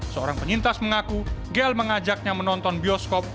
seorang penyintas mengaku gel mengajaknya menonton bioskop